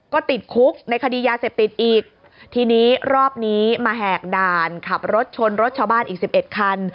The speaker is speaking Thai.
ก็ติดคุกในคดียาเสพติดอีกทีนี้รอบนี้มาแหกด่านขับรถชนรถชาวบ้านอีกสิบเอ็ดคัน